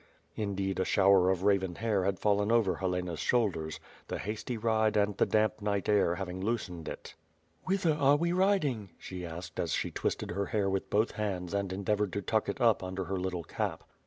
Indeed, a shower of raven hair had fallen over Helena's shoulders; the hasty ride and the damp night air having loos ened it. "Whither are we riding," she asked as she twis ted her hair with both hands and endeavored to tuck it up under her little cap.